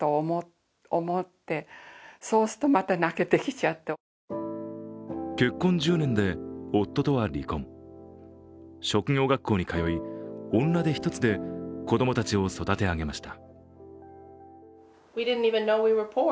しかし結婚１０年で夫とは離婚、職業学校に通い、女手一つで、子供たちを育て上げました。